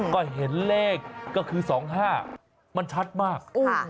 ก็เห็นเลขก็คือ๒๕มันชัดมาก